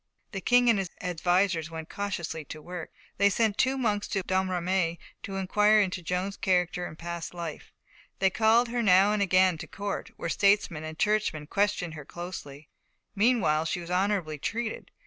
The King and his advisers went cautiously to work. They sent two monks to Domremy to inquire into Joan's character and past life. They called her now and again to Court, where statesmen and churchmen questioned her closely. Meanwhile, she was honourably treated.